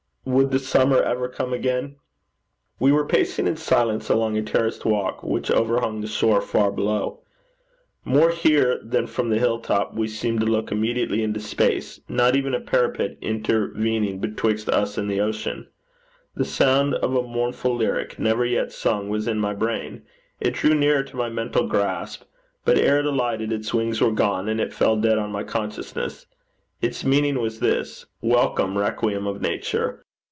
Would the summer ever come again? We were pacing in silence along a terraced walk which overhung the shore far below. More here than from the hilltop we seemed to look immediately into space, not even a parapet intervening betwixt us and the ocean. The sound of a mournful lyric, never yet sung, was in my brain; it drew nearer to my mental grasp; but ere it alighted, its wings were gone, and it fell dead on my consciousness. Its meaning was this: 'Welcome, Requiem of Nature.